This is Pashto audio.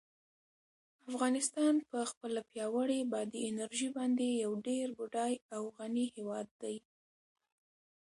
افغانستان په خپله پیاوړې بادي انرژي باندې یو ډېر بډای او غني هېواد دی.